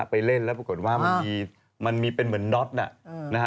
ไปเล่นแล้วปรากฏว่ามันมีเป็นเหมือนน็อตนะฮะ